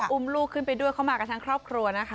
อุ้มลูกขึ้นไปด้วยเขามากันทั้งครอบครัวนะคะ